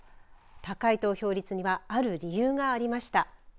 高い投票率にはある理由がありました。